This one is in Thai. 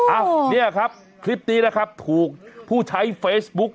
อ่ะเนี่ยครับคลิปนี้นะครับถูกผู้ใช้เฟซบุ๊ก